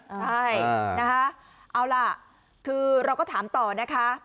ใช่นะคะเอาล่ะคือเราก็ถามต่อนะคะ